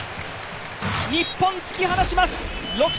日本、突き放します